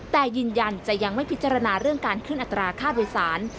แต่ยืนยันจะยังไม่พิจารณาเรื่องการขึ้นอัตราค่าโดยสาร